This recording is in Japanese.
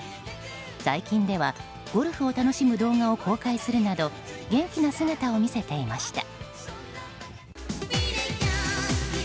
最近では、ゴルフを楽しむ動画を公開するなど元気な姿を見せていました。